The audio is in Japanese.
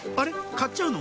買っちゃうの？